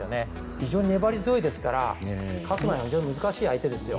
非常に粘り強いですから勝つのは非常に難しい相手ですよ。